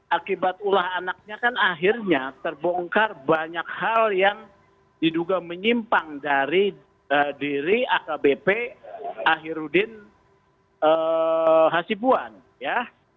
akibat ulah anaknya kan akhirnya terbongkar banyak hal yang diduga menyimpang dari diri akbp ahirudin hasibuan ya